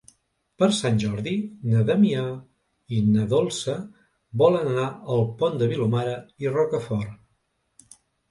Per Sant Jordi na Damià i na Dolça volen anar al Pont de Vilomara i Rocafort.